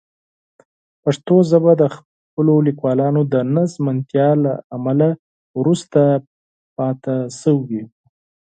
پښتو ژبه د خپلو لیکوالانو د نه ژمنتیا له امله وروسته پاتې شوې.